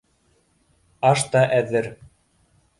Аш та әҙер.